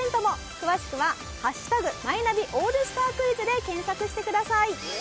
詳しくは「＃マイナビオールスタークイズ」で検索してください。